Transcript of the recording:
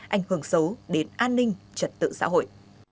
ảnh hưởng xấu đến an ninh trật tự xã hội